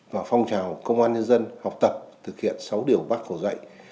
và phong trào công an nhân dân học tập thực hiện sáu điều bác hồ dạy